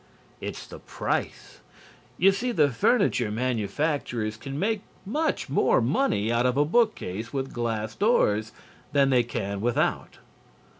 It's the price. You see the furniture manufacturers can make much more money out of a bookcase with glass doors than they can without.